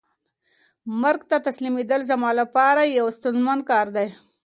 مرګ ته تسلیمېدل زما د پاره یو ستونزمن کار دی.